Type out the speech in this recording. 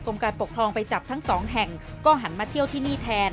การปกครองไปจับทั้งสองแห่งก็หันมาเที่ยวที่นี่แทน